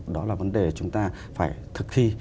đó là vấn đề chúng ta phải thực thi